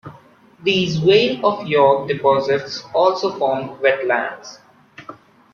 These Vale of York deposits also formed wetlands.